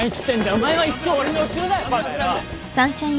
お前は一生俺の後ろだ。